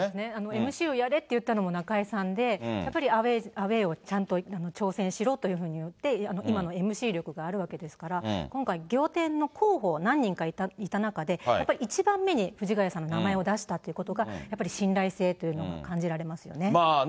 ＭＣをやれって言ったのも中居さんで、やっぱりアウエーをちゃんと挑戦しろというふうに言って、今のＭＣ力があるわけですから、今回、仰天の候補、何人かいた中で、やっぱり一番目に藤ヶ谷さんの名前を出したということが、やっぱり信頼性というのを感じられますよね。